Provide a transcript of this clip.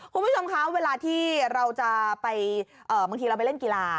คุณผู้ชมคะเวลาที่เราจะไปบางทีเราไปเล่นกีฬา